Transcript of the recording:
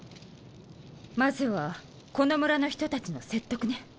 まずはこの村の人たちの説得ね。